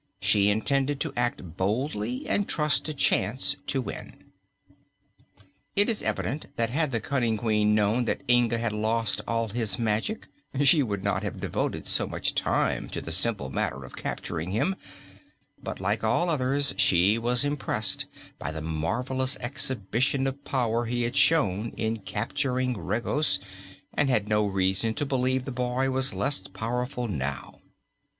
She intended to act boldly and trust to chance to win. It is evident that had the cunning Queen known that Inga had lost all his magic, she would not have devoted so much time to the simple matter of capturing him, but like all others she was impressed by the marvelous exhibition of power he had shown in capturing Regos, and had no reason to believe the boy was less powerful now.